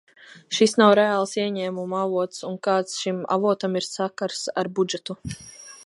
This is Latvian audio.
Šis nav reāls ieņēmumu avots, un kāds šim avotam ir sakars ar budžetu?